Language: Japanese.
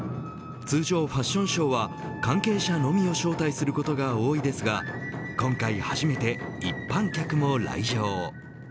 通常ファッションショーは関係者のみを招待することが多いですが今回初めて、一般客も来場。